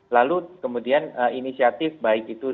lalu kemudian inisiatif baik itu